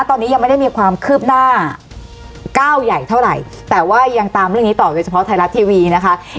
วันนี้ขอบคุณทั้ง๓ท่านก่อนนะคะ